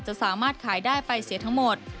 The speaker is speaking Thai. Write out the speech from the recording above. จะสามารถขายได้ไปเสียทั้งหมด